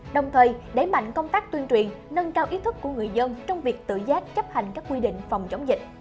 đồng thời đẩy mạnh công tác tuyên truyền nâng cao ý thức của người dân trong việc tự giác chấp hành các quy định phòng chống dịch